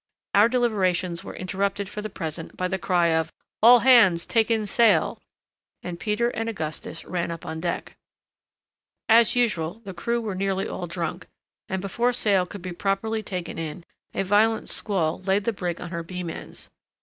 Our deliberations were interrupted for the present by the cry of, "All hands take in sail," and Peters and Augustus ran up on deck. As usual, the crew were nearly all drunk; and, before sail could be properly taken in, a violent squall laid the brig on her beam ends.